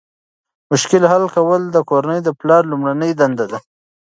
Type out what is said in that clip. مشکل حل کول د کورنۍ د پلار لومړنۍ دنده ده.